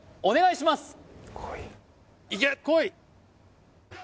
お願いします